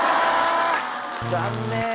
残念。